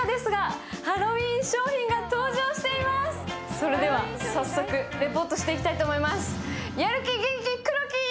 それでは、早速レポートしていきたいと思います。